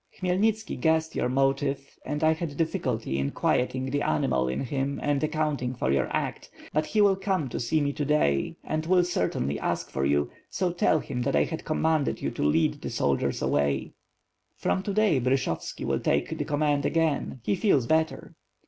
"Khmyelnitski guessed your motive and I had difficulty in quieting the animal in him and accounting for your act. But he will come to see me to day and will certainly ask for you, so tell him that I had commanded you to lead the soldiers away." "From to day Bryshovski will take the command again, he feels better."